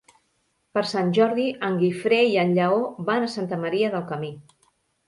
Per Sant Jordi en Guifré i en Lleó van a Santa Maria del Camí.